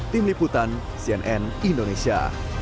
tim liputan cnn indonesia